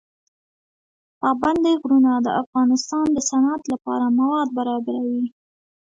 پابندی غرونه د افغانستان د صنعت لپاره مواد برابروي.